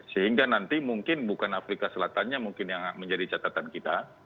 sehingga nanti mungkin bukan afrika selatannya mungkin yang menjadi catatan kita